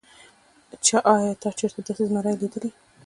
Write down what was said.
چې ايا تا چرته داسې زمرے ليدلے